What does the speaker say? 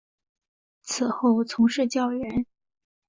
此后从事教员。